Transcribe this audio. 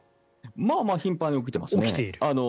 まあまあ頻繁に起きていますね。